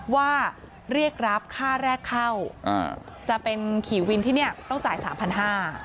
ว่าเรียกรับค่าแรกเข้าจะเป็นขี่วินที่ต้องจ่าย๓๕๐๐บาท